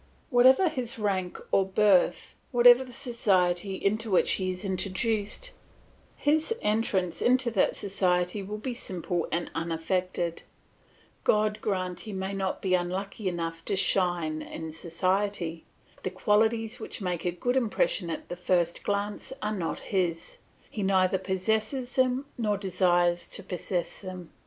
Whatever his rank or birth, whatever the society into which he is introduced, his entrance into that society will be simple and unaffected; God grant he may not be unlucky enough to shine in society; the qualities which make a good impression at the first glance are not his, he neither possesses them, nor desires to possess them.